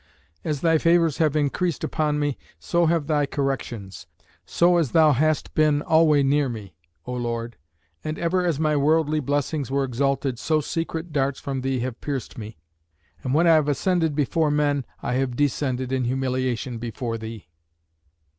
As thy favours have increased upon me, so have thy corrections; so as thou hast been alway near me, O Lord; and ever as my worldly blessings were exalted, so secret darts from thee have pierced me; and when I have ascended before men, I have descended in humiliation before thee.